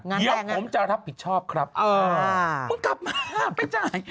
งานแรกนะผมจะรับผิดชอบครับมึงกลับมาไปจ่าย